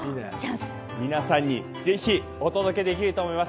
皆さんにぜひお届けできると思います。